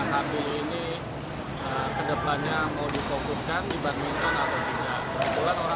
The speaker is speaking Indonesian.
habil ini kedepannya mau difokuskan di badminton atau tidak